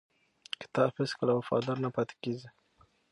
کتاب هیڅکله وفادار نه پاتې کېږي.